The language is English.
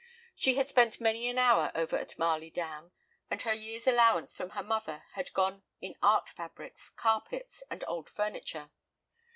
She had spent many an hour over at Marley Down, and her year's allowance from her mother had gone in art fabrics, carpets, and old furniture.